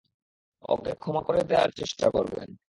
ওকে ক্ষমা করে দেয়ার চেষ্টা করবেন।